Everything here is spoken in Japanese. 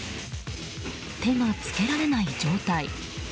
手がつけられない状態。